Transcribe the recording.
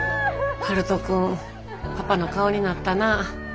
悠人君パパの顔になったな。